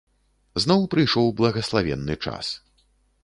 Зноў прыйшоў благаславенны час.